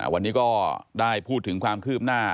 วันนี้ก็ได้พูดถึงความคืบหน้า